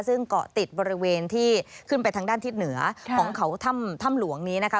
ซึ่งเกาะติดบริเวณที่ขึ้นไปทางด้านทิศเหนือของเขาถ้ำหลวงนี้นะคะ